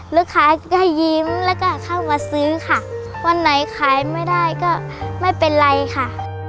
ลูกค้าก็ยิ้มแล้วก็เข้ามาซื้อค่ะวันไหนขายไม่ได้ก็ไม่เป็นไรค่ะ